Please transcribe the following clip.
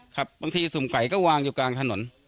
ครับบางทีสุ่มไก่ก็วางอยู่กลางถนน